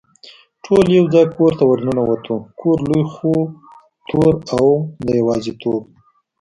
ټول یو ځای کور ته ور ننوتو، کور لوی خو تور او د یوازېتوب.